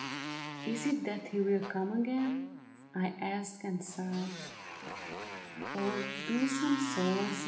" Is it that he will come again ?" I asked and sighed ;" or do some souls.